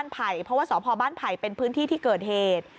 เพราะว่าสพบ้านไผ่เป็นพื้นที่ที่เกิดเหตุ